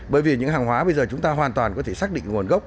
bởi vì những hàng hóa bây giờ chúng ta hoàn toàn có thể xác định nguồn gốc